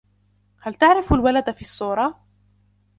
هل تعرف الولد في الصورة؟